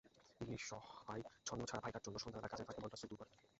নিঃসহায় ছন্নছাড়া ভাইটার জন্য সন্ধ্যাবেলা কাজের ফাঁকে মনটা সু-দু করে।